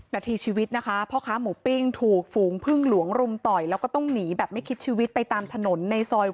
นาทีชีวิตนะคะพ่อค้าหมูปิ้งถูกฝูงพึ่งหลวงรุมต่อยแล้วก็ต้องหนีแบบไม่คิดชีวิตไปตามถนนในซอย